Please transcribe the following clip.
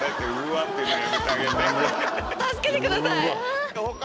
助けてください。